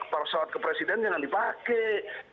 pesawat ke presiden jangan dipakai